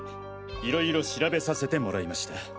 色々調べさせてもらいました。